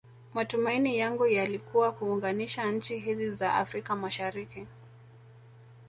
Matumaini yangu yalikua kuunganisha nchi hizi za Afrika mashariki